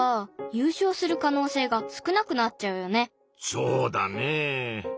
そうだねぇ。